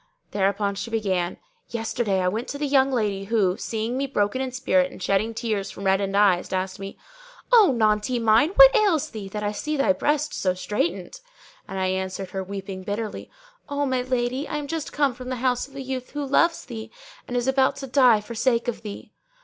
Thereupon she began, "Yesterday I went to the young lady who, seeing me broken in spirit and shedding tears from reddened eyes, asked me, 'O naunty[FN#607] mine, what ails thee, that I see thy breast so straitened?'; and I answered her, weeping bitterly, 'O my lady, I am just come from the house of a youth who loves thee and who is about to die for sake of thee!'